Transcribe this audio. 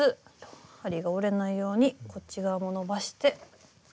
針が折れないようにこっち側も伸ばして。